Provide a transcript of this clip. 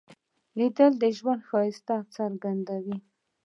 لیدل د ژوند ښایست څرګندوي